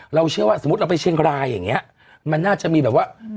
เราเชื่อว่าสมมุติเราไปเชียงรายอย่างนี้มันน่าจะมีแบบว่า